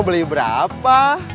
mau beli berapa